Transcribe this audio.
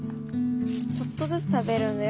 ちょっとずつ食べるんだよ。